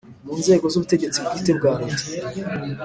Mu nzego z ubutegetsi bwite bwa Leta